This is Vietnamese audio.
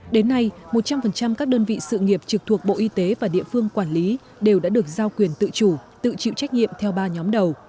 đến nay một trăm linh các đơn vị sự nghiệp trực thuộc bộ y tế và địa phương quản lý đều đã được giao quyền tự chủ tự chịu trách nhiệm theo ba nhóm đầu